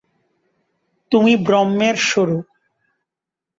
তুমি ব্রহ্মের স্বরূপ।